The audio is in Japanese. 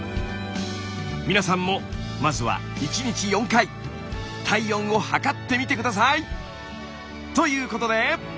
皆さんもまずは１日４回体温を測ってみて下さい！ということで。